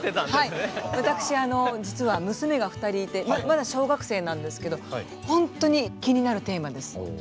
私、実は娘が２人いてまだ小学生なんですけど本当に気になるテーマです。